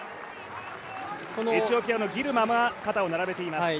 エチオピアのギルマが肩を並べています。